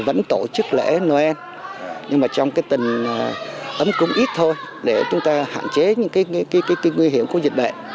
vẫn tổ chức lễ noel nhưng mà trong cái tình ấm cúng ít thôi để chúng ta hạn chế những cái nguy hiểm của dịch bệnh